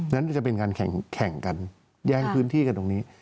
นั้นจะเป็นการแข่งกันแย่งพื้นที่กันตรงนี้